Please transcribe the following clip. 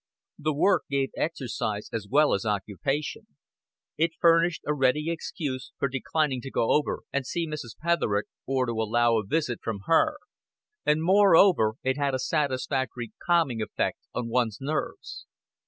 The work gave exercise as well as occupation; it furnished a ready excuse for declining to go over and see Mrs. Petherick or to allow a visit from her; and, moreover, it had a satisfactory calming effect on one's nerves.